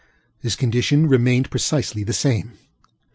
His condition remained precisely the same.